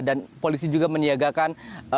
dan polisi juga meniagakan